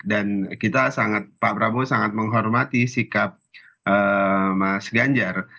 kita sangat pak prabowo sangat menghormati sikap mas ganjar